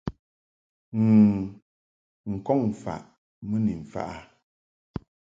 N̂ n-kɔŋ faʼ mɨ ni mfaʼ a.